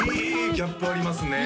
ギャップありますね